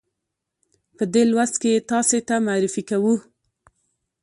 په دې لوست کې یې تاسې ته معرفي کوو.